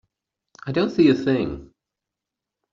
I don't see a thing.